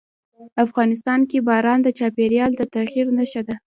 افغانستان کې باران د چاپېریال د تغیر نښه ده.